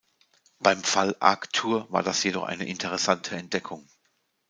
Beim Fall Arktur war das jedoch eine interessante Entdeckung.